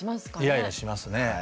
イライラしますね。